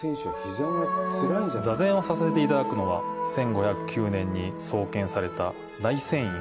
座禅をさせていただくのは、１５０９年に創建された大仙院。